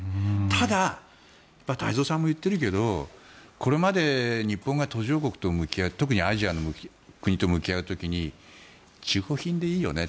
ただ、太蔵さんも言ってるけどこれまで日本が途上国と向き合う特にアジアの国と向き合う時に中古品でいいよね